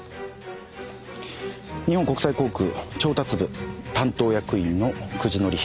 日本国際航空調達部担当役員の久慈則広。